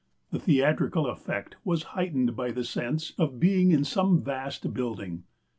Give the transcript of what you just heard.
The theatrical effect was heightened by the sense of being in some vast building.